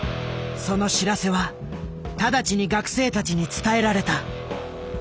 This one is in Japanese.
その知らせは直ちに学生たちに伝えられた。